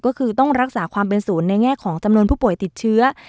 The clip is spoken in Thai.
ก็คือต้องรักษาความเป็นศูนย์ในแง่ของจำนวนผู้ป่วยติดเชื้อ